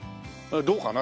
どうかな？